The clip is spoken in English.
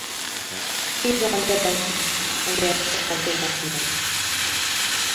He is only a donkey, and therefore something much more.